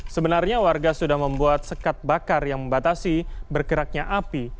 sebenarnya warga sudah membuat sekat bakar yang membatasi bergeraknya api